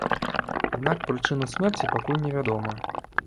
Аднак прычына смерці пакуль не вядома.